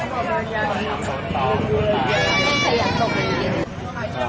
ก็ไม่มีอัศวินทรีย์ขึ้นมา